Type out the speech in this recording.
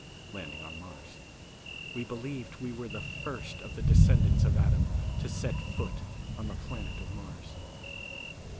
Landing On Mars. We believed we were the first of the descendants of Adam to set foot on the planet of Mars.